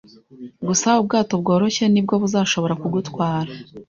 Gusa ubwato bworoshye ni bwo buzashobora kugutwara